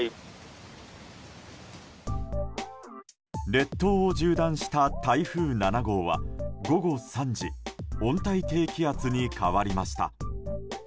列島を縦断した台風７号は午後３時温帯低気圧に変わりました。